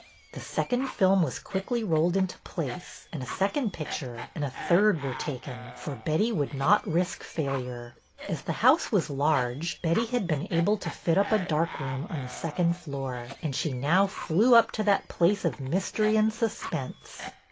" The second film was quickly rolled into place, and a second picture and a third were taken, for Betty would not risk failure. As the house was large, Betty had been able to fit up a dark room on the second floor, and she now flew up to that place of mystery and suspense.